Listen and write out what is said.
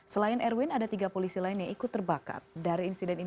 selain erwin ada tiga polisi lain yang ikut terbakar